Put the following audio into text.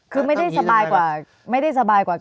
คือไม่ได้สบายกว่า